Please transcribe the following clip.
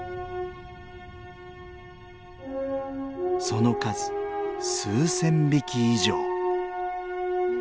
その数数千匹以上。